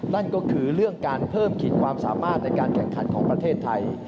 นั่นก็คือเรื่องการเพิ่มขีดความสามารถในการแข่งขันของประเทศไทย